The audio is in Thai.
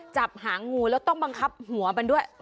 จับหางูแล้วต้องบังคับหัวมันด้วย